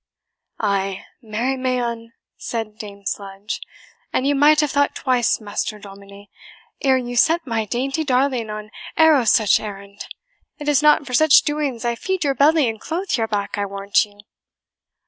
"Ay, marry may un," said Dame Sludge; "and you might have thought twice, Master Domine, ere you sent my dainty darling on arrow such errand. It is not for such doings I feed your belly and clothe your back, I warrant you!"